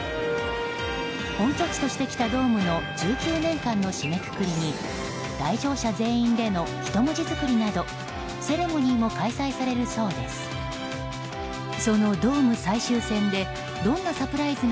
本拠地としてきたドームの１９年間の締めくくりに来場者全員での人文字づくりなどセレモニーも開催されるそうです。